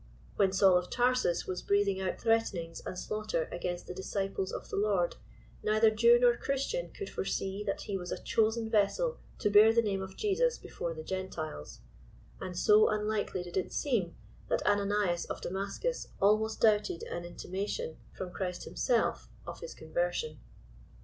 When Saul of Tarsus was breathing out threatenings and slaughter against the disciples of the Lord, neither Jew nor Christian could foresee that he was a chosen vessel to bear the name of Jesus before the^Gentiles ; and so unlike* ly did it seem, that Ananias of Damascus almost doubted an intima tion, from C'hrist himself, of his conversion.